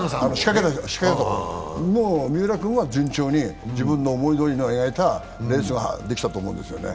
三浦君は順調に自分で思い描いたとおりのレースができたと思うんですよね。